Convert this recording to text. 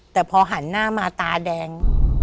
แต่พอหันหน้ามาตาแดง